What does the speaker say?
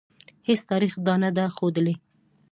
هیڅ تاریخ دا نه ده ښودلې.